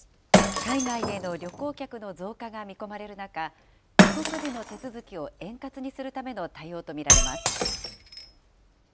海外への旅行客の増加が見込まれる中、帰国時の手続きを円滑にするための対応と見られます。